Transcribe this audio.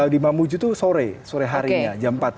di mamuju itu sore harinya